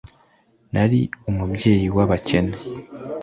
nari umubyeyi w'abakene